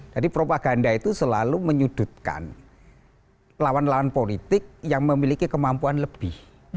jadi propaganda itu selalu menyudutkan lawan lawan politik yang memiliki kemampuan lebih